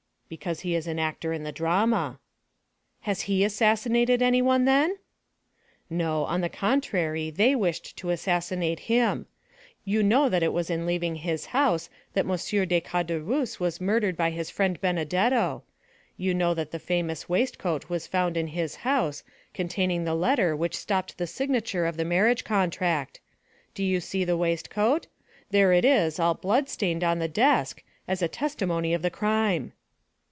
"Because he is an actor in the drama." "Has he assassinated anyone, then?" "No, on the contrary, they wished to assassinate him. You know that it was in leaving his house that M. de Caderousse was murdered by his friend Benedetto. You know that the famous waistcoat was found in his house, containing the letter which stopped the signature of the marriage contract. Do you see the waistcoat? There it is, all blood stained, on the desk, as a testimony of the crime."